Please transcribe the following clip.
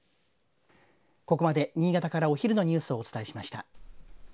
ここまで新潟からお昼のニュースをお伝えしました。